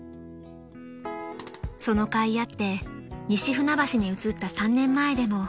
［そのかいあって西船橋に移った３年前でもこの美貌］